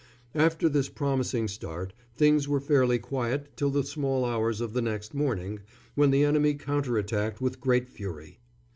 After this promising start things were fairly quiet till the small hours of the next morning, when the enemy counter attacked with great fury.